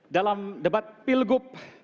dalam debat pilgub